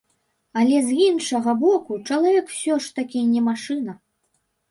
Але з іншага боку, чалавек усё ж такі не машына.